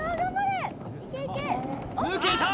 抜けた！